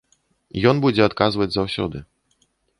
Ён будзе адказваць заўсёды.